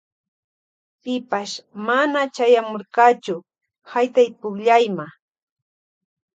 Pipash mana chayamurkachu haytaypukllayma.